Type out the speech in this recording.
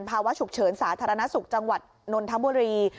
ภาวะฉุกเฉินสาธารณสุขจังหวัดนนทบุรี